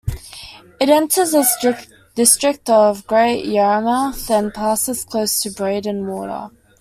It enters the district of Great Yarmouth, then passes close to Breydon Water.